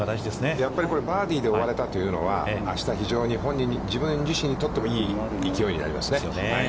やっぱり、バーディーで終われたというのはあした、非常に自分自身にとってもいい勢いになりますね。